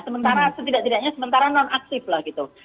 sementara setidak tidaknya sementara non aktif lah gitu